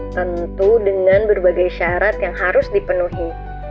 tentu dengan berbagai syarat yang harus dipenuhi